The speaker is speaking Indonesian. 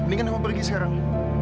mendingan kamu pergi sekarang